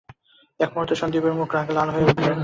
এক মূহূর্তে সন্দীপের মুখ রাগে লাল হয়ে উঠল।